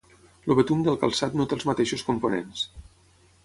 El betum del calçat no té els mateixos components.